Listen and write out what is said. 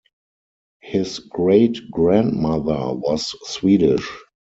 His great-grandmother was Swedish.